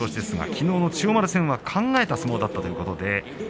きのうの千代丸戦考えた相撲だったということです